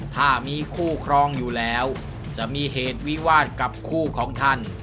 ถ้ามีคู่ครองอยู่แล้วจะมีเหตุวิวาสกับคู่ของท่าน